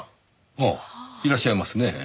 ああいらっしゃいますねぇ。